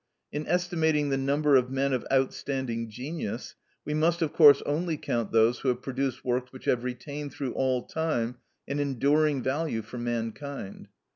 In estimating the number of men of outstanding genius, we must of course only count those who have produced works which have retained through all time an enduring value for mankind.